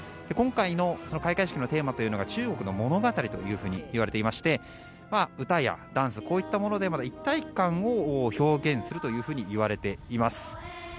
今回の開会式のテーマというのが中国の物語といわれていまして歌やダンス、こういったもので一体感を表現するというふうにいわれています。